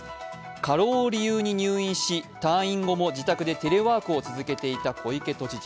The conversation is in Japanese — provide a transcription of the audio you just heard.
過労を理由に入院し、退院後も自宅でテレワークを続けていた小池知事。